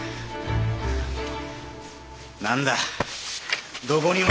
何だどこにも。